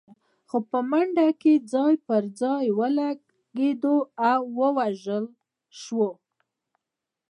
خو په منډه کې ځای پر ځای ولګېد او ووژل شو.